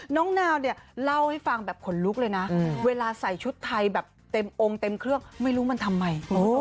นาวเนี่ยเล่าให้ฟังแบบขนลุกเลยนะเวลาใส่ชุดไทยแบบเต็มองค์เต็มเครื่องไม่รู้มันทำไม